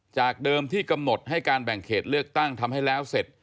จากเดิมที่กำหนดให้การแบ่งเขตเลือกตั้งทำให้แล้วเสร็จ